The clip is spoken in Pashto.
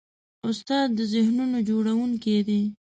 استاد د ذهنونو جوړوونکی دی.